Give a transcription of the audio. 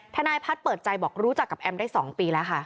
ทนายพัฒน์เปิดใจบอกรู้จักกับแอมได้๒ปีแล้วค่ะ